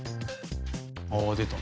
ああ出た。